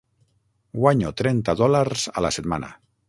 Guanyo trenta dòlars a la setmana.